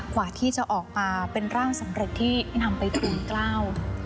กว่าที่จะออกมาเป็นร่างสำเร็จที่นำไปทูลกล้า